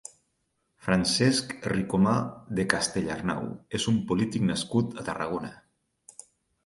Francesc Ricomà de Castellarnau és un polític nascut a Tarragona.